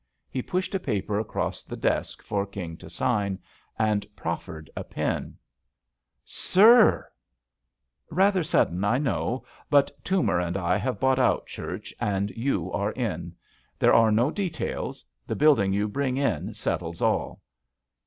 He pushed a paper across the desk for King to sign, and proflfered a pen. JUST SWEETHEARTS "Rather sudden, I know; but Toomer and I have bought out Church and you are in. There are no details. The building you bring in settles all."